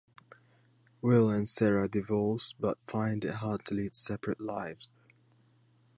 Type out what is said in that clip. Will and Sarah divorce but find it hard to lead separate lives.